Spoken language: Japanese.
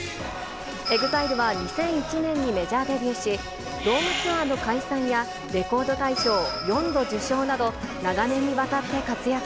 ＥＸＩＬＥは２００１年にメジャーデビューし、ドームツアーの開催や、レコード大賞４度受賞など、長年にわたって活躍。